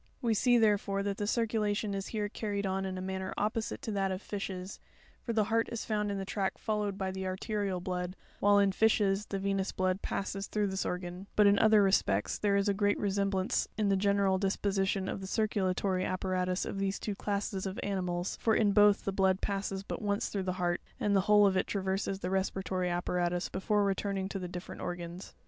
5. We sce, therefore, that the circulation is here carried on in a manner opposite to that of fishes ; for the heart is found in the track followed by the arterial blood, while in fishes the venous blood passes through this organ ; but in other respects, there is a great resemblance in the general disposition of the circulatory apparatus of these two classes of animals; for, in both, the blood passes but once through the heart, and the whole of it traverses the respiratory apparatus before returning to the differ ent organs.